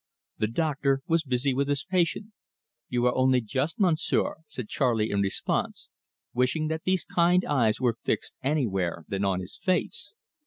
The doctor was busy with his patient. "You are only just, Monsieur," said Charley in response, wishing that these kind eyes were fixed anywhere than on his face.